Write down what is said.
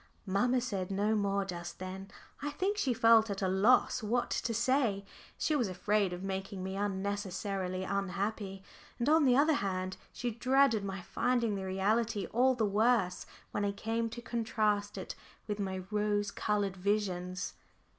Mamma said no more just then. I think she felt at a loss what to say. She was afraid of making me unnecessarily unhappy, and on the other hand she dreaded my finding the reality all the worse when I came to contrast it with my rose coloured visions.